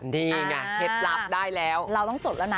ดีนะเท็จลับได้แล้วเราต้องจดแล้วนะ